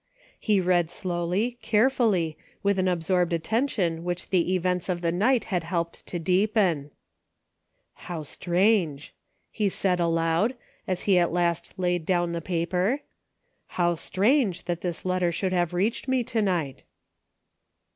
He read 322 A NIGHT FOR DECISIONS. slowly, carefully, with an absorbed attention which the events of the night had helped to deepen. " How strange !" he said aloud, as he at last laid down the paper, '* how strange that this letter should have reached me to night !